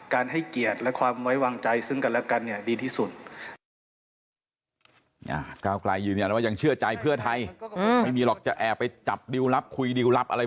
ให้เกียรติและความไว้วางใจซึ่งกันและกันเนี่ยดีที่สุด